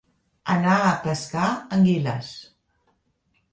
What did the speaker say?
Anar a pescar anguiles.